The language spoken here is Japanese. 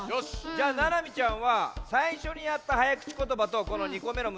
じゃあななみちゃんはさいしょにやったはやくちことばとこの２こめのむずかしいやつりょう